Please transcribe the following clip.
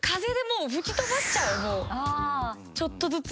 ちょっとずつ。